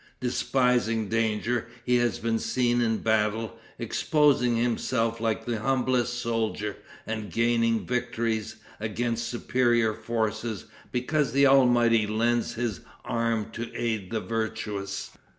Despising danger, he has been seen in battle, exposing himself like the humblest soldier, and gaining victories against superior forces because the Almighty lends his arm to aid the virtuous.